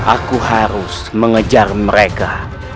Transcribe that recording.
aku harus mengejar mereka